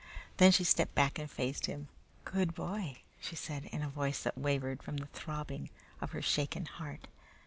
Then she stepped back and faced him. "Good boy!" she said, in a voice that wavered from the throbbing of her shaken heart.